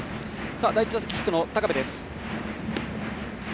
第１打席ヒットの高部です。